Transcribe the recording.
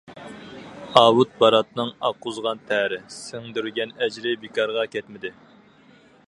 ئاۋۇت باراتنىڭ ئاققۇزغان تەرى، سىڭدۈرگەن ئەجرى بىكارغا كەتمىدى.